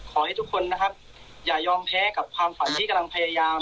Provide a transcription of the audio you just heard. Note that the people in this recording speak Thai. ขอให้ทุกคนนะครับอย่ายอมแพ้กับความฝันที่กำลังพยายาม